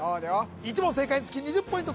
１問正解につき２０ポイント